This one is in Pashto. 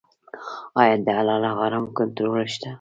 آیا د حلال او حرام کنټرول شته؟